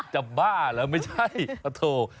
จะบ้าเหรอไม่ใช่กระโต๊ะ